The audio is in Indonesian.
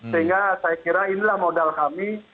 sehingga saya kira inilah modal kami